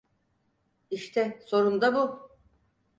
İşte sorun da bu.